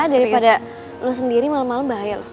daripada lo sendiri malem malem bahaya loh